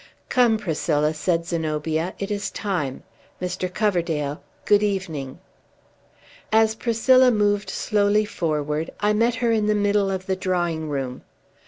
"Come, Priscilla," said Zenobia; "it is time. Mr. Coverdale, good evening." As Priscilla moved slowly forward, I met her in the middle of the drawing room.